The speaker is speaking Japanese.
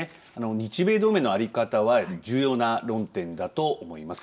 日米同盟の在り方は重要な論点だと思います。